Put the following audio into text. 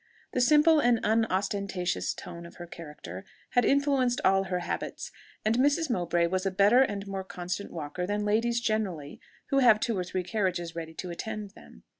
The simple and unostentatious tone of her character had influenced all her habits, and Mrs. Mowbray was a better and more constant walker than ladies generally who have two or three carriages ready to attend them.